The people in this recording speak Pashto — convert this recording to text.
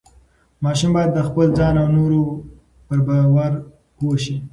ماشوم باید د خپل ځان او نورو پر باور پوه شي.